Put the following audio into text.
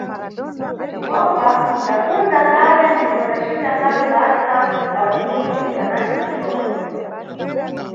Ndipopa ndapfundza kale ndipo ndacita kale basa la kumuyi ndikanati kucoka.